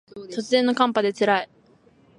突然の寒波で辛い